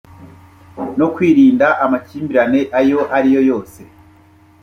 no kwirinda amakimbirane ayo ari yo yose